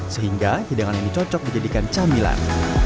sehingga hidangan ini cocok dijadikan camilan